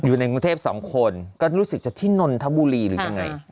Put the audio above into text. อยู่ในกรุงเทพสองคนก็รู้สึกจะที่นนทบุรีหรือยังไง